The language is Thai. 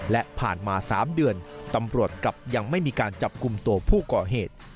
และผ่านมา๓เดือนตำรวจกลับยังไม่มีการจับกลุ่มตัวผู้ก่อเหตุ